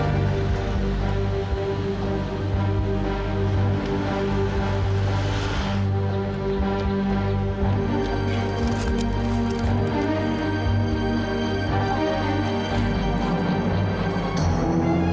kita ajar deh malam ini